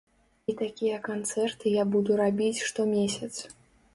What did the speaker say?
І такія канцэрты я буду рабіць штомесяц.